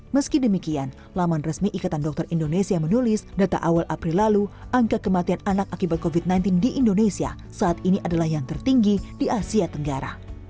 meski demikian laman resmi ikatan dokter indonesia menulis data awal april lalu angka kematian anak akibat covid sembilan belas di indonesia saat ini adalah yang tertinggi di asia tenggara